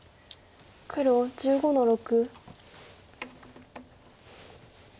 黒１５の六。